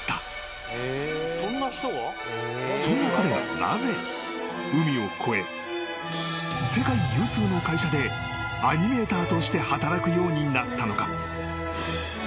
［そんな彼がなぜ海を越え世界有数の会社でアニメーターとして働くようになったのか？］